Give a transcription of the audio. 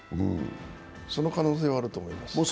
その可能性はあると思います。